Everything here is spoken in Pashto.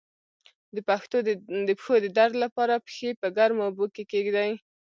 د پښو د درد لپاره پښې په ګرمو اوبو کې کیږدئ